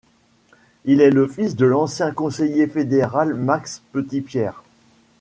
Il est le fils de l'ancien conseiller fédéral Max Petitpierre.